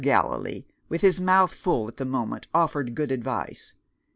Gallilee (with this mouth full at the moment) offered good advice.